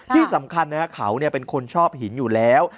ที่สำคัญนะครับเขาเป็นคนชอบหินอยู่แล้ว